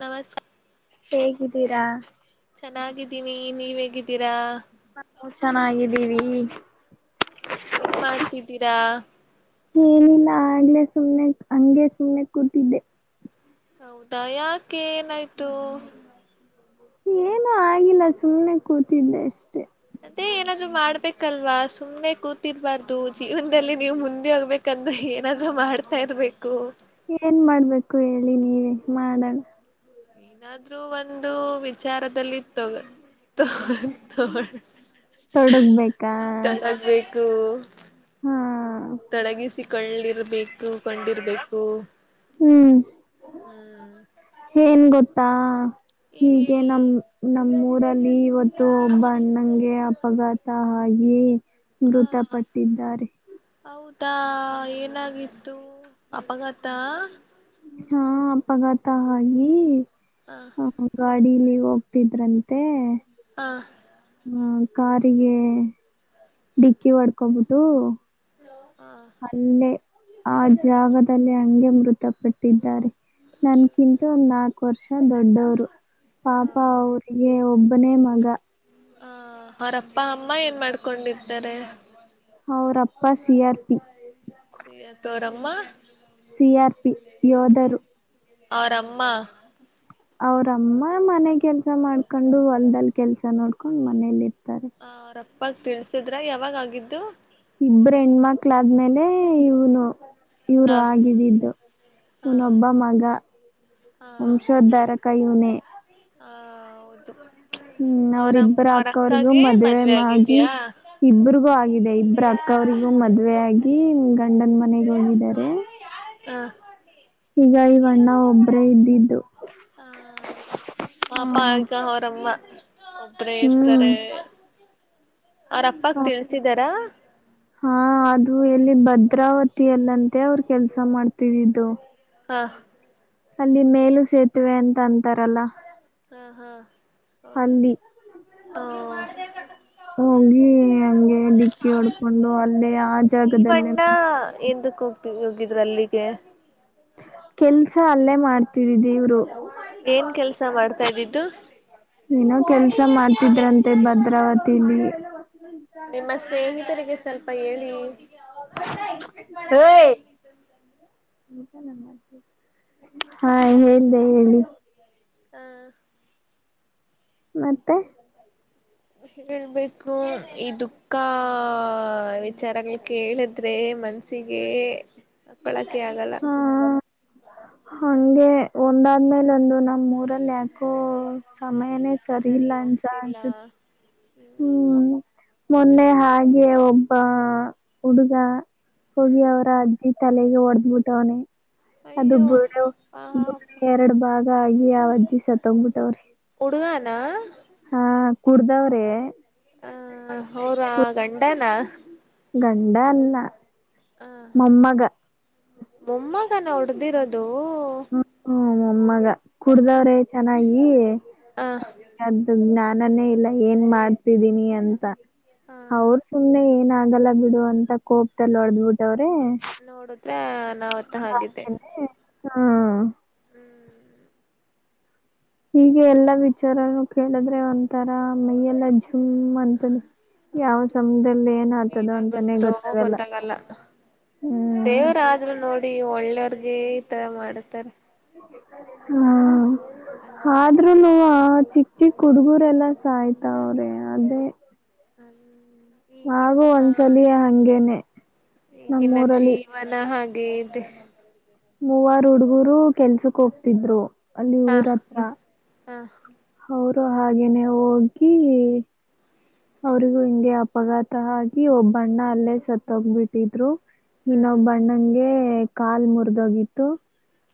ನವಸ್ ಹೇಗಿದ್ದೀರಾ ಚೆನ್ನಾಗಿದ್ದೀನಿ ನೀವ್ ಹೇಗಿದ್ದೀರಾ ನಾವು ಚೆನ್ನಾಗಿದ್ದೀವಿ ಏನು ಮಾಡ್ತಿದ್ದೀರಾ ಏನಿಲ್ಲ ಆಗ್ಲೆೇ ಸುಮ್ನೆ ಹಂಗೆ ಸುಮ್ನೆ ಕೂತಿದ್ದೆ ಹೌದಾ ಯಾಕೆ ಏನಾಯ್ತು ಏನು ಆಗಿಲ್ಲ ಸುಮ್ನೆ ಕೂತಿದ್ದೆ ಅಷ್ಟೆ ಅದೇ ಏನಾದ್ರು ಮಾಡ್ಬೇಕು ಹಲ್ವಾ ಸುಮ್ನೆ ಕೂತಿರ್ಬಾರ್ದು ಜೀವನದಲ್ಲಿ ನೀವು ಮುಂದೆ ಹೋಗ್ಬೇಕಂದ್ರೆ ಏನಾದ್ೂ ಮಾಡ್ತಾ ಇರ್ಬೇಕು ಏನ್ ಮಾಡ್ಬೇಕು ಹೇಳಿ ನೀವ ಮಾಡಣ ಏನಾದ್ೂ ಒಂದು ವಿಚಾರದಲ್ಲಿ ತಗ ತೊಡಗ್ಬೇಕಾ ತೊಡಗ್ಬೇಕು ಹಾ ತಡಗಿ ಸಿಕ್ಕ ಕಳ್ಳಿರ್ಬೇಕು ಕಂಡಿರ್ಬೇಕು ಹ್ಮ್ ಹ್ಮ್ ಏನ್ ಗೊತ್ತಾ ಏನ್ ಹೀಗೆ ಹೇಳಿ ನಮ್ಮ ನಮ್ಮೂಊರಲ್ಲಿ ಇವತ್ತು ಒಬ್ಬ ಅಣ್ಣಾಗೆ ಅಪಘಾತ ಹಾಗಿ ಹ ಮೃತಪಟ್ಟಿದ್ದಾರೆ ಹೌದಾ ಏನಾಗಿತ್ತು ಅಪಘಾತ ಹಾ ಅಪಘಾತ ಹಾಗಿ ಹಾ ಅಡಿಲಿ ಹೋಗ್ತಿದ್ರಂತೆ ಹಾ ಹ್ಮ ಕಾರಿಗೆ ಡಿಕ್ಕಿ ಹೊಡ್ಕೊಬಿಟ್ಟು ಹ ಅಲ್ಲೆ ಆ ಜಾಗದಲ್ಲಿ ಹಂಗೆ ಮೃತಪಟ್ಟಿದ್ದಾರೆ ನನ್ಕಿಂತ ಒಂದ್ ನಾಕು ವರ್ಷ ದೊಡ್ಡವರು ಪಾಪ ಹ ಅವರಿಗೆ ಒಬ್ಬ ಒಬ್ಬನೇ ಮಗ ಹ ಅವರಪ್ಪ ಅಮ್ಮ ಏನ್ ಮಾಡ್ಕೊಂಡಿದ್ದಾರೆ ಅವರಪ್ಪ ಸಿಆರ್ ಪಿ ಅವರ್ ಅಮ್ಮ ಸಿಆರ್ ಪಿ ಯೋಧರು ಅವರಮ್ಮ ಅವ್ರಮ್ಮ ಮನೆ ಕೆಲ್ಸ ಮಾಡ್ಕೊಂಡು ಹೊಲ್ಲ್ ಕೆಲ್ಸ ನೋಡ್ಕೊಂಡ್ ಮನೇಲಿ ಇತ್ತು [inaudible] ಇಗ ತಿಳಸಿದ್ರ ಯಾವಾಗ ಆಗಿದ್ದು ಇಬರು ಹೆಣ್ಮಕ್ಳಾದ್ಮೇಲೆ ಇವನು ಇವರು ಹ ಆಗಿದ್ದಿದ್ದು ಹ ಇವನೊಬ್ಬ ಮಗ ಹ ವಂಶೋದ್ಧಾರ ಕೈನ ಹ್ಮ್ಮ್. ಹ್ಮ್ ಅವ್ರಿಬ್ಬರ ಅಕ್ಕ ಅವ್ರಿಗೂ ಮದ್ವೆ ಆಗಿ ಇಬರಿಗೂ ಆಗಿದೆ ಇಬ್ಬರ ಅಕ್ಕ ಅವ್ರಿಗೂ ಮದ್ವೆೆ ಆಗಿ ಗಂಡನ್ ಮನೆಗ ಹೋಗಿದ್ದಾರೆ ಹ ಹಗ ಬಣ್ಣ ಒಬ್ಬರೇ ಇದ್ದಿದ್ದು ಹಾ ಮಾಪಾಕ್ಕ ಹೊರಮ್ಮ ಒಬ್ಬರೇ ಹ್ಮ್ ಇರ್ತಾರೆ ಅವ್ರಪ್ಪಕ್ ತಿಳಸಿದಾರಾ ಹಾ ಅದು ಎಲ್ಲಿ ಭದ್ರಾವತಿಯಲ್ಲಂತೆ ಅವರು ಕೆಲ್ಸ ಮಾಡ್ತಿದ್ದಿದ್ದು ಹಾ ಅಲ್ಲಿ ಮೇಲು ಸೇತುವೆ ಅಂತ ಅಂತಾರಲ್ಲ ಹಾ ಹಾ ಹೌದು ಅಲ್ಲಿ ಹೋಗಿ ಹಂಗೆ ಡಿಕ್ಕಿ ಹೊಡ್ಕೊಂಡು ಅಲ್ಲೇ ಆ ಈ ಜಾಗದಲ್ಲೇ ಹೋಗಿದ್ರ ಅಲ್ಲಿಗೆ ಕೆಲ್ಸ ಅಲ್ಲೇ ಮಾಡ್ತೀರಿ ದೇವ್ರು ಏನ್ ಕೆಲ್ಸ ಮಾಡ್ತಾ ಇದೀಿ ್ದ ಏನೋ ಕೆಲ್ಸ ಮಾಡ್ತಿದ್ರಂತೆ ಭದ್ರಾವತಿಲಿ ನಿಮ್ಮ ಸ್ನೇಹಿತರಿಗೆ ಸ್ವಲ್ಪ ಹೇಳಿ ಹೈ ಖ ಹಾ ಹೇಳ್ದ ಹೇಳಿ ಹಾ ಮತ್ತೆ ನ್ ಹೇಳ್ಬೇಕು ಈ ದುಃಖ ವಿಚಾರಗಳು ಕೇಳಿದ್ರೆ ಮನ್ಸಿಗೆ ಪ್ಪಳಕೆ ಆಗಲ್ಲ ಹಾ ಹಂಗೆ ಒಂದಾದ್ಮೇಲೆ ಒಂದು ನಮ್ ಮೂರಲ್ಲಿ ಯಾಕೋ ಸಮಯನೇ ಸರಿ ಇಲ್ಲ ಅನ್ಸ ಅನ್ಸುತ್ತೆ ಹ್ಮ್ ಮೊನ್ನೆ ಹಾಗೆ ಒಬ್ಬ ಹುಡುಗ ಹೋಗಿ ಹ್ಮ್ ಅವರ ಅಜ್ಜಿ ತಲೆಗೆ ಹೊಡದ್ಬಿಟ್ಟವನನೆ ಅದು ಅಯ್ಯೋ ಆ ಎರಡು ಭಾಗ ಹಾಗಿ ಯಾವಜ್ಜಿಸಸ ತೊಗ್ಬಿಟ್ಟವ್ರಿ ಉಡುಗಾನ ಕುಡ್ದವ್ರೆ ಹ ಹೌರ ಗಂಡನ ಗಂಡ ಅಲ್ಲ ಹಾ ಮೊಮ್ಮಗ ಮಮ್ಮ ಹ ನಾ ಹೊಡ್ದಿರೋದು ಓ ನಮ್ಮಗೆ ಕುಡ್ದ್ರೆ ಚೆನ್ನಾಗ ಹ ಅಯ ನಾ ನ್ನನ್ನೇ ಇಲ್ಲ ಏನ್ ಮಾಡ್ತಿದೀನಿ ಅಂತ ಹ ಅವರು ಸುಮ್ಮ್ನೆ ಏನ ಲ್ಲ ಬಿಡು ಅಂತ ಕೋಪಲ್ಲ ಹೊಡ್ದ್ ಬಿಿಟ್ಟ ಅವ್ರು ನೋಡುದ್ರ ನಾವ [inaudible] ಹ್ಮ ಹ್ಮ್ ಹೀಗೆ ಎಲ್ಲಾ ವಿಚಾರನು ಕೇಳಿದ್ರೆ ಒಂಥರ ಮೈಯೆಲ್ಲ ಸುಮ್ಮ ಅಂತದೆ ಯಾವ ಹೌದು ಸಮದಲ್ಲಿ ಏನ್ ಆತದೋ ಅಂತಾನೇ ಗೊತ್ತಾಗಲ್ಲ ಹ್ಮ್ ನೀ ಒಳ್ಳೆಯರ್ಗೆ ಈ ತರ ಮಾಡತಾರ ಹ್ಮ್ ಆ ಆದ್ರೂನು ಚಿಕ್ಕ ಚಿಕ್ಕ ಹುಡುಗುರೆಲ್ಲ ಸ ಆಯ್ತಾವ್ರೆ ಅದೇ ಹ್ಮ ಹಾಗು ಒಂದ್ಸಲ ಹಂಗೇನೆ ನಮ್ಮೂರಲ್ಲಿ ವೇದ ಮೂವಾರ ಹುಡುಗರು ಕೆಲ್ಸಕ್ ಹೋಗ್ತಿದ್ರು ಅಲ್ಲಿ ಊರ ಹತ್ರ ಹಾ ಅವರು ಹಾಗೇನೆ ಹೋಗಿ ಅವ್ರಿಗೂ ಹಿಂಗೆ ಅಪಘಾತ ಆಗಿ ಒಬ್ಬಣ್ಣ ಅಲ್ಲೇ ಸತ್ತೋಗ್ಬಿಟ್ಟಿದ್ರು ಇನ್ನ ಹ್ಮ್ ಬಣ್ಣಂಗೆ ಕಾಲ್ ಮುರಿದೋಗಿತ್ತು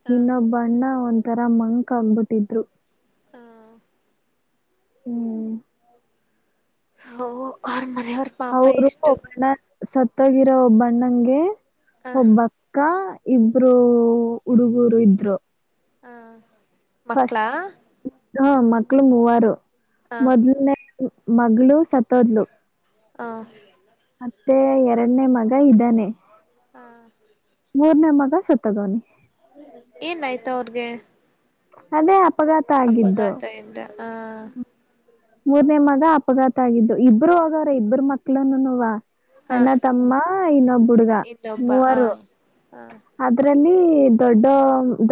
ಹ ಇನ್ನೊಬ್ಬಣ್ಣ ಒಂತ ತರ ಮಂಕ ಅಗ್ಬಿಟ್ಟಿದ್ರು ಹ ಹ್ಮ್ ಹ ಹೌರು ಹೊತ್ತೋಗಿರೋ ಒಬ್ಬಣ್ಣಂಗೆ ಹ ಒಬ್ಬಕ್ಕ ಇಬ್ರು ಹುಡುಗೂರು ಇದ್ರು ಹಾ ಮಕ್ಕಳಾ ಹಾ ಮಕ್ಕಳು ಮೂವಾರು ಹ ಮೊದಲು ಮಗಳು ಸತೋದಲು ಹ ಮತ್ತೆ ಎರಡನೇ ಮಗ ಇದ್ದಾನೆ ಹ ಮೂರನೇ ಮಕ್ಕ ಬ ಸತ್ತಗನಿ ಏನ್ ಆಾಯ್ತಾ ಅವ್ರಗೆ ಅದೇ ಅಪಘಾತ ಆಗಿದ್ದು ಹಾ ಮೂರ್ನೇ ಮಗ ಅಪಘಾತ ಆಗಿದ್ದು ಇಬ್ರು ಹೋಗವ್ರ ಇಬ್ಬರು ಮಕ್ಳನುನುವ ಹ ಅಣ್ಣ ತಮ್ಮ ಇನ್ನೊ ಬುಡ್ಗ ಇನ್ನೊಬ್ಬ ಹ ಮೂವರು ಹ ಆದ್ರೆ ಲ್ಲಿ ದೊಡ್ಡ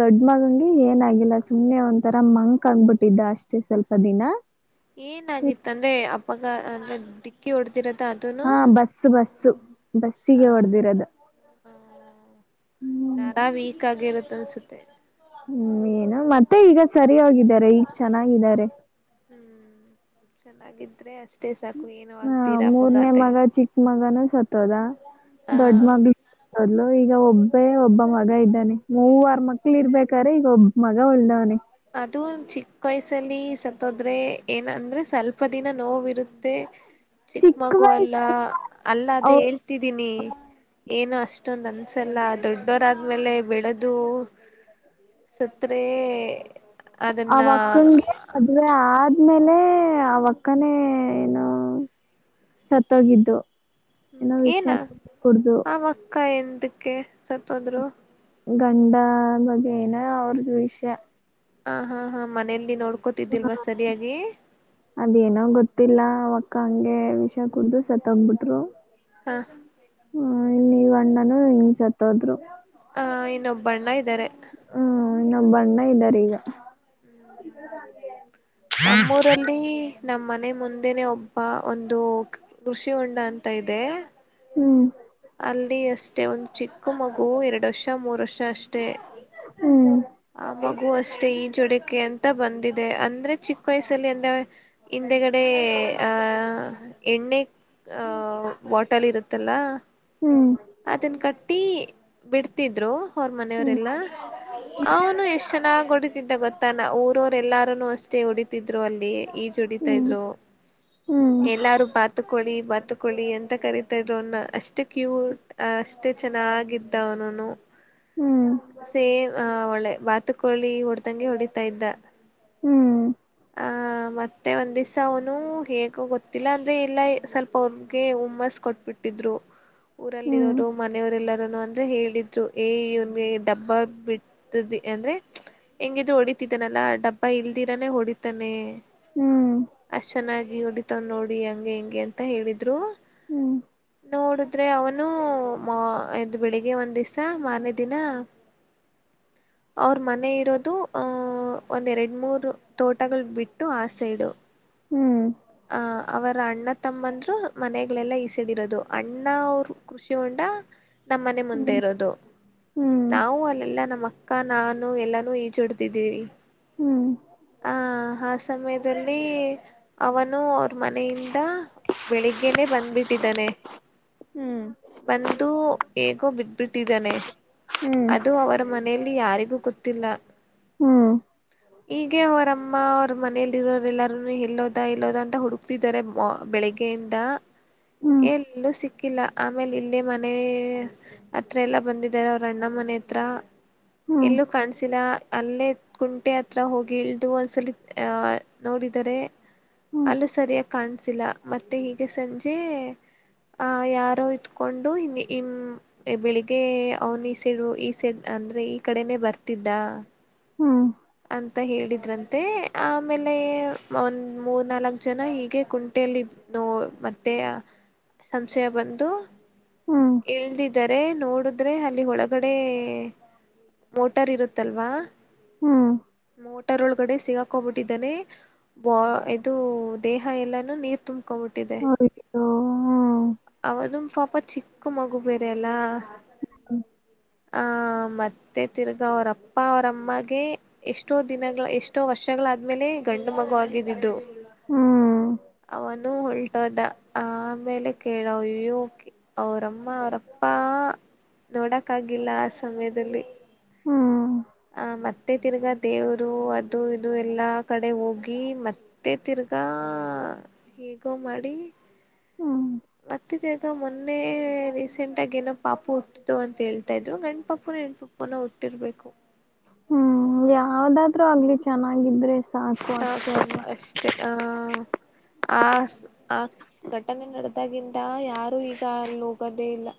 ದೊಡ್ಡ ಮಗಂಿ ಏನಾಗಿಿಲ್ಲ ಸುಮ್ನೆ ಒಂಥರ ಮಂಕ್ ಆಂಗಬಿಟ್ಟಿದ್ದ ಅಷ್ಟೇ ಸ್ವಲ್ಪ ದಿನ ಏನಾಗಿತ್ತ ಅಂದ್ರೆ ಅ ಡಕ್ಕಿ ಕೊಡ್ ತಿರತ ಅತನು ಸ ಬಸ್ಸಿಗೆ ಹೊಡ್ದಿರದು ನರ ವೀಕ್ ಆಗಿರುತ್ತೆ ತಿಳಸುತ್ತೆ ಹ್ಮ್ ಏನು ಮತ್ತೆ ಈಗ ಸರಿ ಹೋಗಿದ್ದಾರೆ ಈಗ ಚೆನ್ನಾಗಿದ್ದಾರೆ ಹ್ಮ್ ಚೆನ್ನಾಗಿದ್ರೆ ಅಷ್ಟೇ ಸಾಕು ಏನು ಹ ಆಗ್ತೀರಾ ಮೂರನೇ ಮಗ ಅಪಘಾತಗೆ ಚಿಕ್ಕ ಮಗನು ಸತ್ ತೊದ ಹ ದೊಡ್ಡ್ಮದ್ಲು ಈಗ ಒಬ್ ಬೇ ಒಬ್ಬ ಮಗ ಇದ್ದಾನೆ ಮೂವಾರ ಮಕ್ಳ ಇರ್ಬೇಕ್ರೆ ಈಗ ಒಬ್ಬ ಮಗ ಹೊಳ್ದವನಿ ಇದು ಚಿಕ್ಕ ವಯಸ್ಸಲ್ಲಿ ಸತ್ತೋದ್ರೆ ಏನ ಅಂದ್ರೆ ಸ್ವಲ್ಪ ದಿನ ನೋವಿರುತ್ತೆ ಚಿಕ್ಕ ಮಗು ಅಲ್ಲ ಅಲ್ಲ ಅದೇ ಅವ್ ಹೇಳ್ತಿದೀನಿ ಏನು ಅಷ್ಟೇ ಇಷ್ಟೊ್ ಅನ್ಸೆಲ್ಲ ದೊಡ್ಡೋರಾದ್ಮೇಲೆ ಬಿಡದು ಅದನ್ನ ಅವಕ್ಕಂಗೆ ಮದುವೆ ಆದ್ಮೇಲೆ ಅಲ್ಲೇ ಅವಕ್ಕನೇ ಏನೋ ಸತ್ತೋಗಿದ್ದು ಏನೋ ವಿಷ ಏನ ಕುಡ್ದು ಆಕ್ಕ ಏನ್ ಅದಕ್ಕೆ ಸತ್ತೋದ್ರು ಗಂಡ ಬಗ್ೇನ ಅವ್ರ ಜ ವಿಷ್ಯ ಹ ಹಾ ಹಾ ಮನೇೆಯಲ್ಲಿ ನೋಡ್ ಹಾಕೋತಿದ್ದಿಲ್ವಾ ಸರಿಯಾಗಿ ಅದೇಏನೋ ಗೊತ್ತಿಲ್ಲ ಅವಕ್ಕ ಹಂಗೆ ವಿಷ ಕುೂಡ್ದ ಸತ್ೋಗಬಿಟ್ರು ಹಾ ಹ ಇಲ್ಲಿ ಅಣ್ಣನು ಹಿಂಗ್ ಸತ್ತೋದ್ರು ಹ ಇನ್ನೊಬ್ಬಣ್ಣ ಆಯ್ತ ್ದರೆ ಇನ್ನೊಬ್ ಬಣ್ಣ ಇದ್ದಾರೆ ಈಗ ನಮ್ಮೂರಲ್ಲಿ ನಮ್ಮ್ ಮನೆ ಮುಂದೆನೆ ಒಬ್ಬ ಒಂದು ಕೃಷಿ ಉಂಡ ಅಂತ ಇದೆ ಹ್ಮ್ ಅಲ್ಲಿ ಅಷ್ಟೇ ಒಂದ್ ಚಿಕ್ಕ ಮಗು ಎರಡುರ್ಷ್ಟ ಮರಸಷ್ಟ ಅಷ್ಟ ಹ್ಮ್ ಆ ಮಗು ಅಷ್ಟೇ ಇ ಚಟಕೆ ಅಂತ ಬಂದಿದೆ ಅಂದ್ರೆ ಚಿಕ್ಕ ವಯಸ್ಸಲ್ಲಿ ಅಂದ್ರೆ ಇಂತ ಕಡೆ ಆ ಎಣ್ಣೆ ಆಹ ಬಾಟಲ್ ಇರುತ್ತಲ್ಲ ಹ್ಮ್ ಅನ್ ಕಟ್ಟಿ ಬಿಡ್ತಿದ್ರು ಅವ್ರ ಮನೆಯವರೆಲ್ಲ ಅವನು ಎಷ್ಟ ಚೆನ್ನಾಗ್ ಹೊಡಿತಿದ್ದ ಗೊತ್ತಾನ ಊರವರು ಎಲ್ಲಾರುನು ಅಷ್ಟೇ ಹೊಡಿತಿದ್ರು ಅಲ್ಲಿ ಜುಡಿತಾ ಹ್ಮ್ ಇದ್ರು ಹ್ಮ್ ಎಲ್ಲಾರು ಬಾತಕೊಳ್ಳಿ ಬಾತ ಕಳಿ ಅಂತ ಕರತಾ ಇದ್ರು ಅವನ ಅಷ್ಟೇ ಕ್ಯೂಟ್ ಅಷ್ಟೇ ಚೆನ್ನಾಗಿದ್ದವನನು ಹ್ಮ್ ಹ್ಮ್ ಸೇ್ ಆ ಒಳ್ಳೆ ಬತು ಕೊಳ್ಳಿಡ್ ಗೆ ಹೊಡಿತಾ ಇದ್ದ ಹ್ಮ್ ಆ ಹ ಮತ್ತೆ ಒಂದ್ ದಿವ್ಸ ಅವನು ಹೇಗ್ ಗೊತ್ತಿಲ್ಲ ಅಂದ್ರೆ ಎಲ್ಲಾ ಸ್ವಲ್ಪ ಅವ್ರಗೆ ಉುಮ್ಮಸ್ ಕೊಟ್ಬಿಟ್ಟಿದ್ರು ಊರಲ್ಲಿ ಹ್ಮ್ ಇರೋದು ಮನೆಯವರೆಲ್ಲ ಅಂದ್ರೆ ಹೇಳಿದ್ರು ಏವನ್ಗೆ ಡಬ್ಬ ಬಿಟ್ಟ ಅಂದ್ರೆ ಹೆಂಗಿದು ಹೊಡಿತಿದ್ದನಲ್ಲಾ ಡಬ್ಬಾ ಇಲ್ದಿರಾನೆ ಹೊಡಿತಾನೆ ಹ್ಮ್ ಅಷ್ಟ ಚೆನ್ನಾಗಿ ಹೊಡ ನೋಡಿ ಹೆಂ ಹೆಂಗೆ ಅಂತ ಹೇಳಿದ್ರು ಹ್ಮ್ ಹ್ಮ್ ನೋಡುದ್ರೆ ಅವನು ಮ ಇದು ಬೆಳಿಗ್ಗೆ ಒಂದ್ ದಿವ್ಸ ಮಾರ್ನೆ ದಿನ ಅವ್ರ ಮನೆ ಇರೋದು ಆಹ ಒಂದ್ ಎರಡು ಮೂರು ತೋಟಗಳು ಬಿಟ್ಟು ಆ ಸೈಡು ಹ್ಮ್ ಅ ಅವರ ಅಣ್ಣ ತಮ್ಮಂದ್ರು ಮನೆಗಳೆಲ್ಲ ಈಸೆಡಿರೋದು ಅಣ್ಣ ಅವರು ಕೃಷಿ ಹೊಂಡ ನಮ್ಮನೆ ಮುಂದೆ ಇರೋದು ಹ್ಮ್ ನಾವು ಅಲ್ಲೆಲ್ಲಾ ನಮ್ಮ ಅಕ್ಕ ನಾನು ಎಲ್ಲಾನೂ ಈಚಿಡ್ತಿದ್ದೀಿ ಹ್ಮ್ ಆ ಆ ಸಮಯದಲ್ಲಿ ಅವನು ಮನೆಯಿಂದ ಬೆಳಿಗ್ಗೆನೆೇ ಬಂದ್ಬಿಟ್ಟಿದ್ದಾನೆ ಬಂದು ಹಕೋ ಬಿಟ್ಟ ಬಿಟ್ಟಿದ್ದಾನೆ ಹ್ಮ್ ಹ್ಮ್ ಅದು ಅವರ ಮನೆಯಲ್ಲಿ ಯಾರಿಗೂ ಗೊತ್ತಿಲ್ಲ ಹ್ಮ್ ಹೀಗೆ ಅವರಮ್ಮ ಅವರ ಮನೆಯಲ್ಲಿರೋರೆಲ್ಲರನು ಎಲ್ಲೋದು ಇಲ್ಲ ಅಂತ ಹುಡು ಹೋಗತಿದ್ದಾರೆ ಬೆಳಿಗ್ಗೆ ದಾ ಹ್ಮ್ ಎಲ್ಲೂ ಸಿ ಹಾಕಿಲ್ಲ ಆಮೇಲೆ ಇಲ್ಲೇ ಮನೆ ಹತ್ರ ಎಲ್ಲ ಬಂದಿದ್ದಾರೆ ಅವ್ರ ಅಣ್ಣ ಮನೆ ಹತ್ರ ಹ್ಮ್ ಹ್ಮ್ ಎಲ್ಲೂ ಕಾಣಸಿಲ್ಲ ಅಲ್ಲೇ ಕುಂಟೆ ಹತ್ರ ಹೋಗಿ ಇಳದುು ಒಂದ್ಸಲಿ ಅಹ ನೋಡಿದರೆ ಅಲ್ಲ ಸರಿಯ ಕಾಣ್ಸಿಲ್ಲ ಮತ್ತೆ ಈಗ ಸಂಜೆ ಹ ಯಾರೋಯ್ತ ಕೊಂಡು ಬೆಳಿಗ್ಗೆ ಅವನ್ ಈ ಸೈಡ್ ಈ ಸೈಡ್ ಅಂದ್ರೆ ಈ ಕಡೆನೇ ಬರ್ತಿದ್ದ ಹಾ ಅಂತ ಹೇಳಿದ್ರಂ [unintelligible] ತೆ ಆಮೇಲೆ ಒಂದ ಮೂರ್ ನಾಲ್ಕ್ ಜನ ಹೀಗೆ ಕುಂಟೆಯಲ್ಲಿ ನೋ ಮತ್ತೆ ಸಂಶಯ ಬಂದು ಹ್ಮ್ ಎಳದಿದ್ದಾರೆ ನೋಡಿದ್ರೆ ಅಲ್ಲಿಳಗ ಒಗಡೆ ಮೋಟಾರ್ ಇರುತ್ತಲ್ವಾ ಹ್ಮ್ ಮೋ ರ ಒಳಗಡೆ ಸಿಗಾಕೊಂಡ್ಬಿಟ್ಟಿದ್ದಾನೆ ಬ ಇದು ದ ಎಲ್ಲಾನು ನೀರ್ ತುಂಬ ಹಬಿಟ್ಟಿದೆ ಅಯ್ಯೋ ಅವನು ಪಪತ್ ಚಿಕ್ಕ ಮಗು ಬೇರೆೆಯ ಎಲ್ಲ ಹ ಆ ಮತ್ತೆ ತಿರ್ಗಾ ಅವ್ರಪ್ಪ ಅವರಮ್ಮಗೆ ಎಷ್ಟೋ ದಿನಗಳ ಎಷ್ಟೋ ವರ್ಷಗಳಾದ್ಮೇಲೆ ಗಂಡು ಮಗುವ ಿದ್ದು ಹ್ಮ್ ಅವನು ಉಲ್ಟೋದ ಆಮೇಲೆ ಕೇಳ ಇ್ಯೋಕೆ ಅವ್ರಮ್ಮ ಅವ್ರಪ್ಪ ನೋಡಕ್ಾಗಿಲ್ಲ ಆ ಸಮಯದಲ್ಲಿ ಹ್ಮ್ ಆ ಮತ್ತೆ ತಿರ್ಗಾ ದೇವ್ರು ಅದು ಇದು ಎಲ್ಲಾ ಕಡೆ ಹೋಗಿ ಮತ್ತೆ ತಿರ್ಗಾ ಹೇಗೋ ಮಾಡಿ ಹಾ ಮತ್ತಿದಗ ಮೊನ್ನೆ ನೇ ರೀಸೆಂಟ್ ಆಗ ಏನೋ ಪಾಪು ಹುಟ್ಟಿದು ಅಂತ ಹೇಳ್ತಾ ಇದ್ರು ಗಂಡ ಪಾಪು ನಣಪಾಪು ಪನ ಹುಟ್ಟಿರ್ಬೇಕು ಹ್ಮ್ ಯಾವ್ದಾದ್ೂ ಆಗ್ಲಿ ಚೆನ್ನಾಗಿದ್ರೆ ಅಷ್ಟೇ ಸಾಕು ಅಲ್ವಾ ಅಷ್ಟೆ ಆಹ ಆ ಆ ಘಟನೆ ನಡೆದಾಗಿಂದ ಯಾರೂ ಈಗ ಅಲ್ಲ ಹೋಗದೇ ಇಲ್ಲ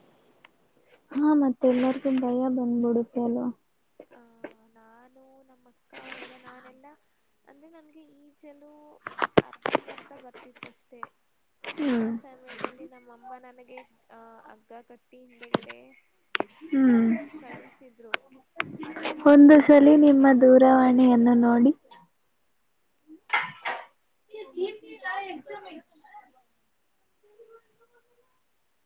ಹಾ ಮತ್ತೆ ಎಲ್ಲರಿಗು ಭಯ ಬಂದ್ಬಿಡುತ್ತೆ ಅಲ್ವಾ ಆಹ ನಾನು ನಮ್ಮ ಅಕ್ಕ ಅವರೆಲ್ಲ ನಾನೆಲ್ಲಾ ಅಂದ್ರೆ ನನ್ಗೆ ಈಜಲುೂ ಅರ್ಧ ಬರ್ತ ಬರ್ತಿತ್ತಷ್ಟೆ ಆ ಹ್ಮ್ ಸಮಯದಲ್ಲಿ ನಮ್ಮಮ್ಮ ನನಗೆ ಅಹ್ ಅಗ್ಗ ಕಟ್ಟಿ ಹಿಂದೆಗಡೆ ಹ್ಮ್ ಕಳ್ಸ್ತಿದ್ರು ಒಂದು ಸಲಿ ನಿಮ್ಮ ದೂರವಾಣಿಯನ್ನು ನೋಡಿ ಅಡಿ ದೀಪ ದೀಪಮ ಇತ. ಹ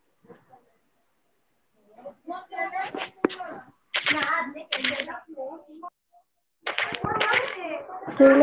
ಹ್ಮ್ಮ್. ನಾ ಅ ಎೋ ಹ